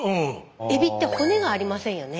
エビって骨がありませんよね。